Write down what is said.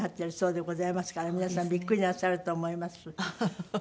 はい。